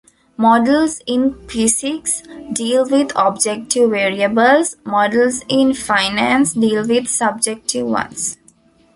Models in physics deal with objective variables; models in finance deal with subjective ones.